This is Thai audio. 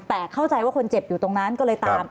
แต่เข้าใจว่าคนเจ็บอยู่ตรงนั้นก็เลยตาม